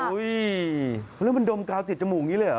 แล้วมันดมกาวติดจมูกอย่างนี้เลยเหรอ